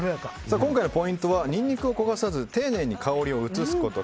今回のポイントはニンニクを焦がさず丁寧に香りを移すこと。